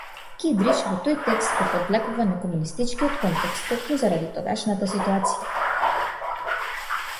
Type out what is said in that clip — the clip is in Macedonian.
Кидрич во тој текст го подвлекува некомунистичкиот контекст токму заради тогашната ситуација.